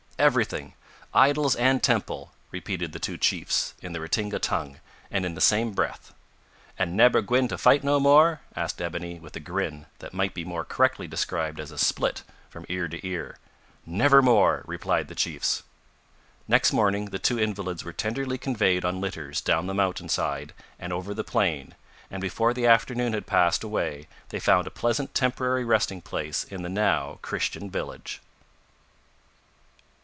"Everything. Idols and temple!" repeated the two chiefs, in the Ratinga tongue, and in the same breath. "An' nebber gwine to fight no more?" asked Ebony, with a grin, that might be more correctly described as a split, from ear to ear. "Never more!" replied the chiefs. Next morning the two invalids were tenderly conveyed on litters down the mountain side and over the plain, and before the afternoon had passed away, they found a pleasant temporary resting place in the now Christian village.